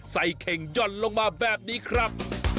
เข่งหย่อนลงมาแบบนี้ครับ